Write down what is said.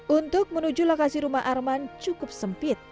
untuk menuju lokasi rumah arman cukup sempit